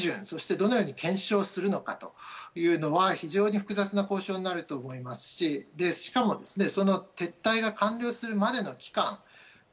そしてどのように検証するのかは非常に複雑な交渉になると思いますししかも、その撤退が完了するまでの期間